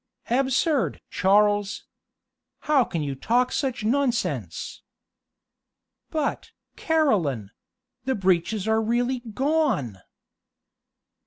"Absurd! Charles. How can you talk such nonsense?" "But, Caroline the breeches are really gone."